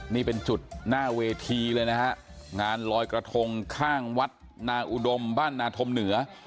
นี่เป็นจุดหน้าเวทีเลยนะฮะงานลอยกระทงข้างวัดนาอุดมบ้านนาธมเหนือ